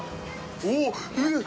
おっ！えっ！？